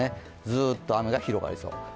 ずっと雨が広がりそうです。